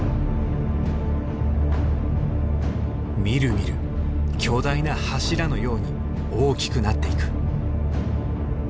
みるみる巨大な柱のように大きくなっていく。